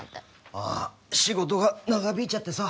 ああ仕事が長引いちゃってさ。